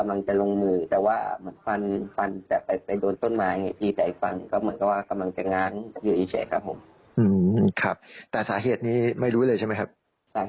ลองฟังเสียงคุณบอลดูค่ะ